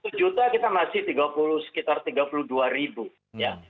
satu juta kita masih sekitar tiga puluh dua ribu ya